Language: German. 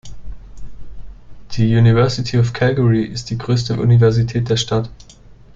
Die University of Calgary ist die größte Universität der Stadt.